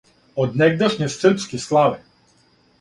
Од негдашње српске славе,